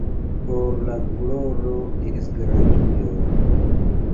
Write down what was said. Por la gloro de Esperantujo!